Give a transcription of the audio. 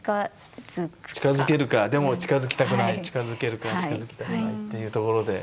近づけるかでも近づきたくない近づけるか近づきたくないっていうところで。